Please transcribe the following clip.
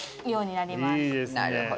なるほど。